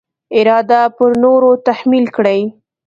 اراده پر نورو تحمیل کړي.